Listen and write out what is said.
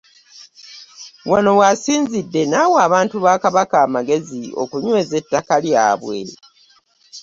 Wano w'asinzidde n'awa abantu ba Kabaka amagezi okunyweza ettaka lyabwe